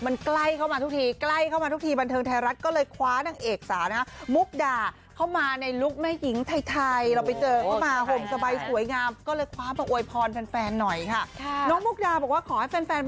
อยากจะร้องเสียงเหมือนแบบสุนชอบพล